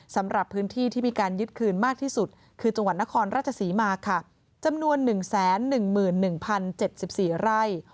สำหรับพื้นที่ที่มีการยึดคืนมากที่สุดคือจังหวัดนครราชศรีมาค่ะจำนวน๑๑๑๐๗๔ไร่